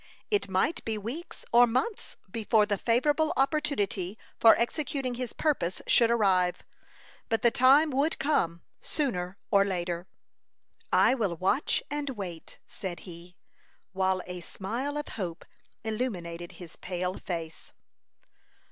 It might be weeks or months before the favorable opportunity for executing his purpose should arrive; but the time would come, sooner or later. "I will watch and wait," said he, while a smile of hope illuminated his pale face.